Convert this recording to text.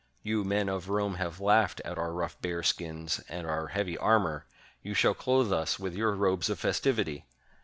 You men of Rome have laughed at our rough bear skins and our heavy armor; you shall clothe us with your robes of festivity!